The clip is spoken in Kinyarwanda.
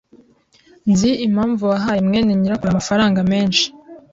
Nzi impamvu wahaye mwene nyirakuru amafaranga menshi.